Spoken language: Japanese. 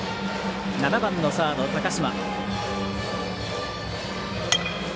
７番のサード、高嶋。